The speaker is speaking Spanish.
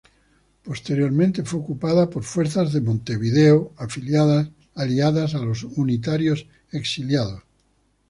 Posteriormente fue ocupada por fuerzas de Montevideo aliadas a los unitarios exiliados.